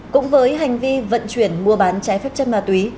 cũng với hành vi vận chuyển mua bán trái phép chất ma túy